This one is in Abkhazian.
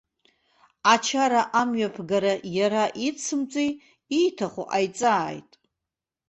Ачара амҩаԥгара иара идсымҵеи, ииҭаху ҟаиҵааит.